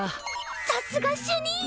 さすが主任！